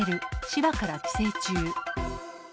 千葉から帰省中。